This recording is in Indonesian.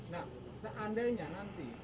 nah seandainya nanti